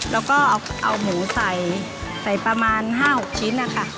แล้วก็เอาหมูใส่ใส่ประมาณ๕๖ชิ้นนะคะ